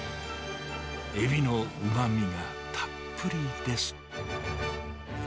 エビのうまみがたっぷりです。